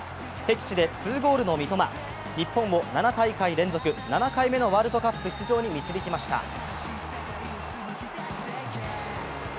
敵地で２ゴールの三笘日本を７大会連続７回目のワールドカップ出場に導きました。